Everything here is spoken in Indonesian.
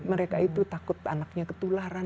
mereka itu takut anaknya ketularan